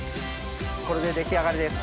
これで出来上がりです。